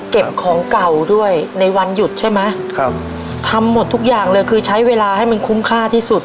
เก็บของเก่าด้วยในวันหยุดใช่ไหมครับทำหมดทุกอย่างเลยคือใช้เวลาให้มันคุ้มค่าที่สุด